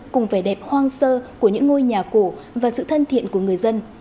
cùng vẻ đẹp hoang sơ của những ngôi nhà cổ và sự thân thiện của người dân